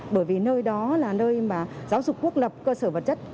bởi vì nơi đó là nơi mà giáo dục quốc lập cơ sở vật chất